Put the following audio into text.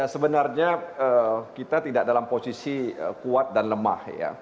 sebenarnya kita tidak dalam posisi kuat dan lemah